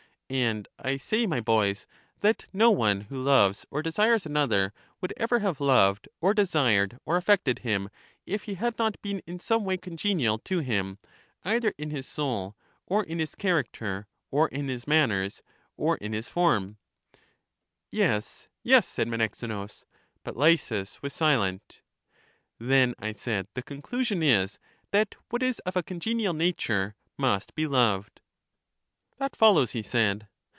And I say, my boys, that no one who loves or de sires another would ever have loved or desired or af fected him, if he had not been in some way congenial to him, either in his soul, or in his character, or in his manners, or in his form. Yes, yes, said Menexenus. But Lysis was silent. Then, I said, the conclusion is, that what is of a congenial nature must be loved. That follows, he said.